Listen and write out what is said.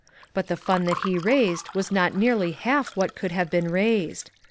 But the fun that he raised was not really half what could have been raised.